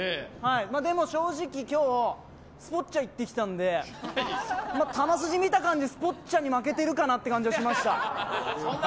でも、正直今日、スポッチャ行ってきたんで、球筋見た感じ、スポッチャに負けているかなって感じがしました。